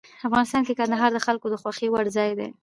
افغانستان کې کندهار د خلکو د خوښې وړ ځای دی.